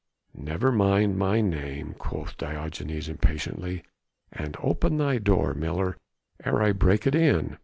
"Never mind my name," quoth Diogenes impatiently, "and open thy door, miller, ere I break it in.